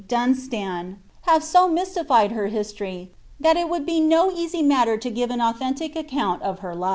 Uunstan, have so mystifie.l h^r history, tl\tvl VI wouJd be no easy matter to give an authentic accouul o1[ ht^v Wle.